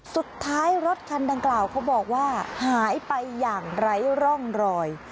สุดท้ายรถคันดังกล่าวเขาบอกว่าหายไปอย่างไร้ร่องรอย